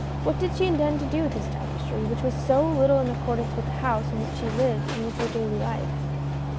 What did she intend to do with this tapestry, which was so little in accord ance with the home in which she lived, and with her daily life